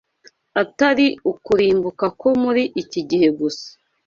atari ukurimbuka ko muri iki gihe gusa